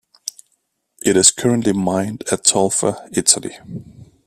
It is currently mined at Tolfa, Italy.